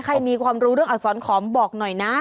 ใครมีความรู้เรื่องอักษรขอมบอกหน่อยนะ